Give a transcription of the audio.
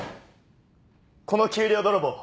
この給料泥棒。